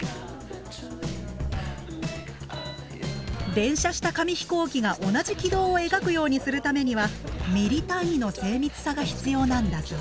連射した紙飛行機が同じ軌道を描くようにするためにはミリ単位の精密さが必要なんだそう。